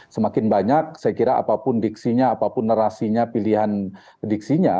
semakin banyak saya kira apapun diksinya apapun narasinya pilihan diksinya